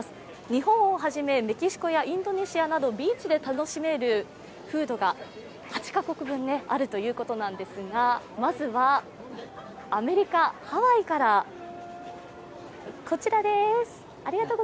日本をはじめメキシコやインドネシアのビーチで楽しめるフードが８カ国分あるということなんですがまずはアメリカ・ハワイからこちらです。